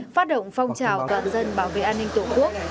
phát động phong trào toàn dân bảo vệ an ninh tổ quốc